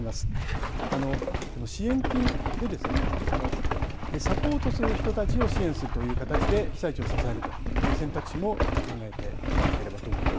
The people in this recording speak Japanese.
支援金でサポートする人たちを支援するという形で、被災地を支えるという選択肢も考えていただければと思います。